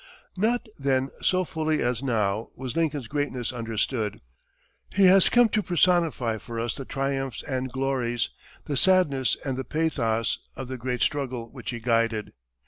Not then so fully as now was Lincoln's greatness understood. He has come to personify for us the triumphs and glories, the sadness and the pathos, of the great struggle which he guided.